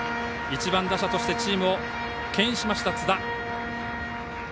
１番打者としてチームをけん引した津田。